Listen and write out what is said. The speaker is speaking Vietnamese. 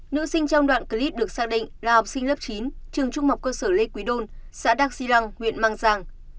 nữ sinh trong đoạn clip được xác định là học sinh lớp chín trường trung học cơ sở lê quý đôn xã đăng xi răng huyện mang giang